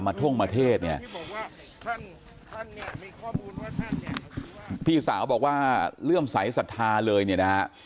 ท่งมาเทศเนี่ยพี่สาวบอกว่าเลื่อมใสสัทธาเลยเนี่ยนะฮะ